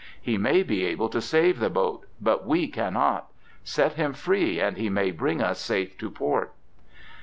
He may be able to save the boat, but we cannot! Set him free and he may bring us safe to port."